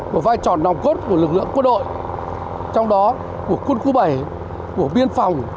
một vai trò nòng cốt của lực lượng quân đội trong đó của quân khu bảy của biên phòng